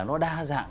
nó đa dạng